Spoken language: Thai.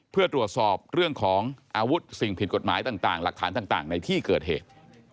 เพื่อตรวจสอบเรื่องของอาวุธสิ่งผิดกฎหมายต่างหลักฐานต่างในที่เกิดเหตุ